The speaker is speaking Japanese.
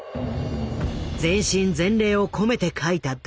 全身全霊を込めて書いた第１話。